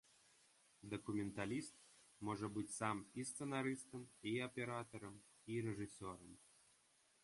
Дакументаліст можа быць сам і сцэнарыстам, і аператарам, і рэжысёрам.